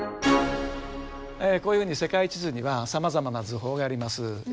こういうふうに世界地図にはさまざまな図法があります。